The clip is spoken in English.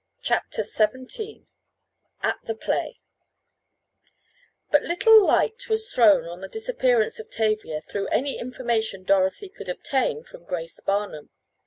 CHAPTER XVII AT THE PLAY But little light was thrown on the disappearance of Tavia through any information Dorothy could obtain from Grace Barnum.